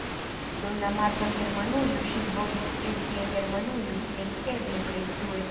Dum la marŝo al Germanujo ŝi volis esti en Germanujo kiel eble plej frue.